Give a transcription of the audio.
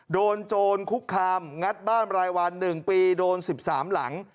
โจรคุกคามงัดบ้านรายวัน๑ปีโดน๑๓หลัง